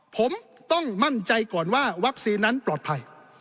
ผมต้องมั่นใจก่อนว่าวัคซีนนั้นปลอดภัย